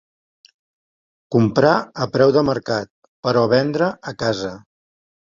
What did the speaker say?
Comprar a preu de mercat, però vendre a casa